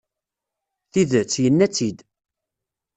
Tidet, yenna-tt-id.